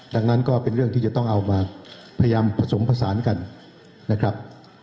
ดังนั้นก็เป็นเรื่องที่จะต้องเอามาพยายามผสมผสานกันนะครับ